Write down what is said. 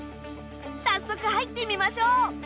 早速入ってみましょう。